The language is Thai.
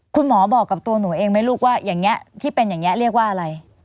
คุณหมอบอกกับตัวหนูเองไหมลูกว่าอย่างนี้ที่เป็นอย่างนี้เรียกว่าอะไร